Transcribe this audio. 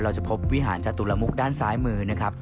เราจะพบวิหารจตุลมุกด้านซ้ายมือนะครับ